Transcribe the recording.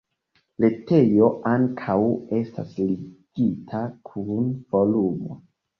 Retejo ankaŭ estas ligita kun Forumo.